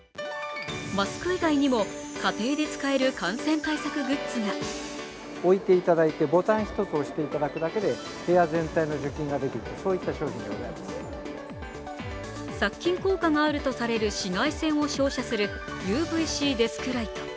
マスク以外にも家庭で使える感染対策グッズが殺菌効果があるとされる紫外線を照射するＵＶ−Ｃデスクライト。